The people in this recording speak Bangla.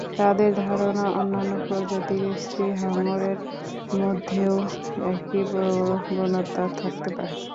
তাঁদের ধারণা, অন্যান্য প্রজাতির স্ত্রী হাঙরের মধ্যেও একই প্রবণতা থাকতে পারে।